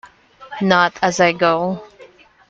Not as I go.